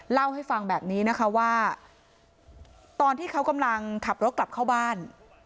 เล่าให้ฟังแบบนี้นะคะว่าตอนที่เขากำลังขับรถกลับเข้าบ้าน